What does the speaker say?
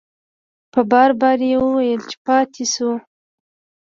په بار بار یې وویل چې پاتې شو.